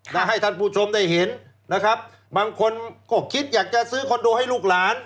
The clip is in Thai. นะให้ท่านผู้ชมได้เห็นนะครับบางคนก็คิดอยากจะซื้อคอนโดให้ลูกหลาน